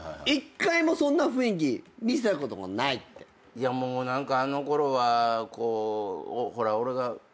いやもう何か。